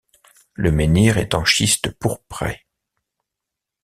Le menhir est en schiste pourpré.